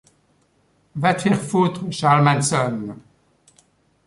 Va te faire foutre Charles Manson.